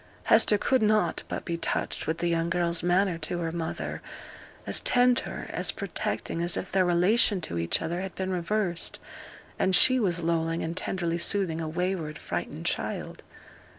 Hester could not but be touched with the young girl's manner to her mother as tender, as protecting as if their relation to each other had been reversed, and she was lulling and tenderly soothing a wayward, frightened child.